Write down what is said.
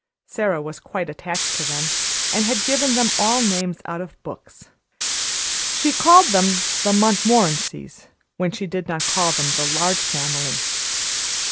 Sara was quite attached to them, and had given them all names out of books. She called them the Montmorencys, when she did not call them the Large Family.